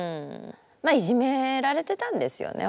まあいじめられてたんですよね